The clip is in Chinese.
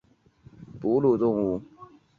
鼹形田鼠属等数种哺乳动物。